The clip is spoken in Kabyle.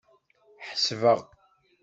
Ḥesbeɣ.